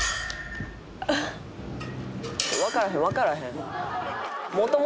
「わからへんわからへん」